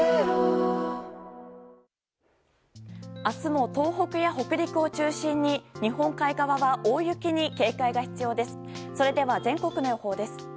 明日も東北や北陸を中心に日本海側は大雪に警戒が必要です。